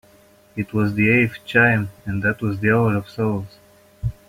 It was the eighth chime and that was the hour of souls.